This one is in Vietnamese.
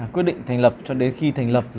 quyết định thành lập cho đến khi thành lập